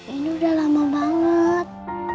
ini udah lama banget